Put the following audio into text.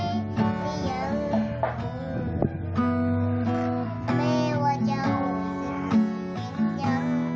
ยังมั่นมุมขึ้นไปจนตอนนั้น